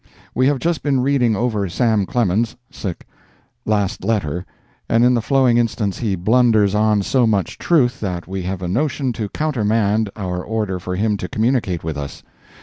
— We have just been reading over Sam Clement's last letter, and in the flowing instance he blunders on so much truth that we have a notion to countermand our order for him to communicate with us.